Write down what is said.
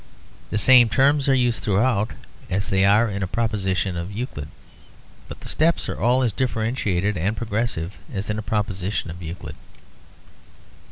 The same terms are used throughout, as they are in a proposition of Euclid. But the steps are all as differentiated and progressive as in a proposition of Euclid.